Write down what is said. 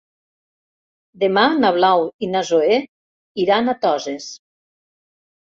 Demà na Blau i na Zoè iran a Toses.